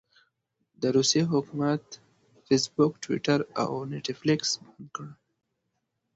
د روسيې حکومت فیسبوک، ټویټر او نیټفلکس بند کړل.